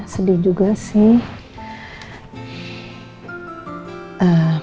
sedih juga sih